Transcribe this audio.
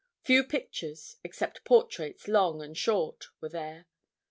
Few pictures, except portraits long and short, were there.